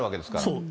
そう。